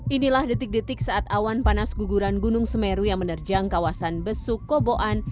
inilah detik detik saat awan panas guguran gunung semeru yang menerjang kawasan besuk koboan